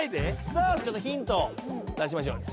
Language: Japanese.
さあちょっとヒント出しましょう。